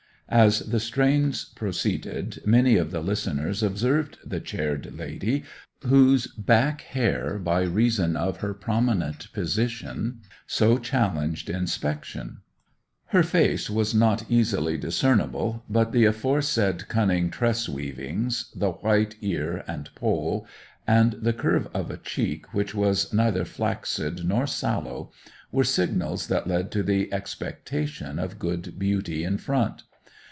As the strains proceeded many of the listeners observed the chaired lady, whose back hair, by reason of her prominent position, so challenged inspection. Her face was not easily discernible, but the aforesaid cunning tress weavings, the white ear and poll, and the curve of a cheek which was neither flaccid nor sallow, were signals that led to the expectation of good beauty in front.